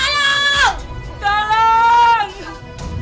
aduh aduh aduh aduh